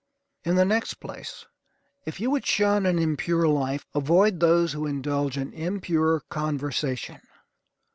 In the next place, if you would shun an impure life, avoid those who indulge in impure conversation.